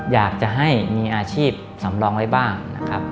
อยากจะให้มีอาชีพสำรองไว้บ้างนะครับ